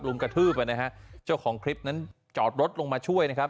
กระทืบอ่ะนะฮะเจ้าของคลิปนั้นจอดรถลงมาช่วยนะครับ